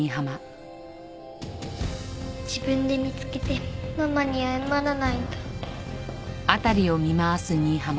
自分で見つけてママに謝らないと。